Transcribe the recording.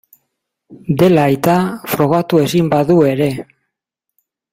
Dela aita, frogatu ezin badu ere.